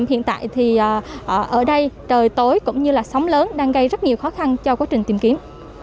hiện tại thì ở đây trời tối cũng như là sóng lớn đang gây rất nhiều khó khăn cho quá trình tìm kiếm